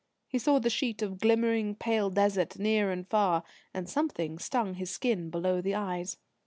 He saw the sheet of glimmering, pale desert near and far; and something stung his skin below the eyes.